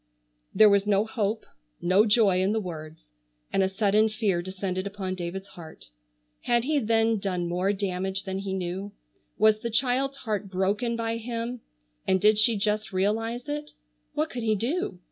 There was no hope, no joy in the words, and a sudden fear descended upon David's heart. Had he then done more damage than he knew? Was the child's heart broken by him, and did she just realize it? What could he do?